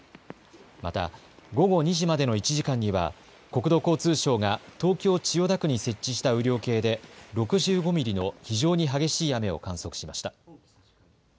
また午後２時までの１時間には国土交通省が東京千代田区に設置した雨量計で６５ミリの非常に激しい雨を観測しました。